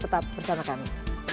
tetap bersama kami